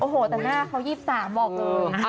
โอ้โหแต่หน้าเขา๒๓บอกเลยนะคะ